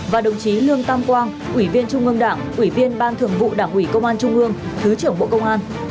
và đồng chí lương tam quang ủy viên trung ương đảng ủy viên ban thường vụ đảng ủy công an trung ương thứ trưởng bộ công an